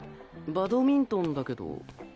バドミントンだけど。